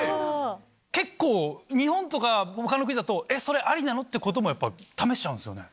結構日本とか他の国だとそれありなの？ってことも試しちゃうんですよね。